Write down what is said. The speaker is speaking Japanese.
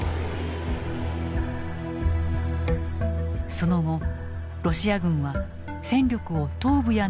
その後ロシア軍は戦力を東部や南部に集中。